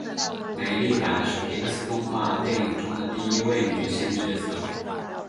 梅莉达是皮克斯动画电影中的第一位女性主角。